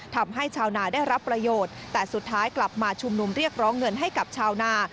ทำให้ชาวนาได้รับประโยชน์แต่สุดท้ายกลับมาชุมนุมเรียกร้องเงินให้กับชาวนา